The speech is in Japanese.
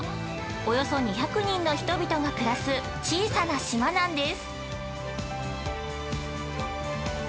およそ２００人の人々が暮らす小さな島なんです。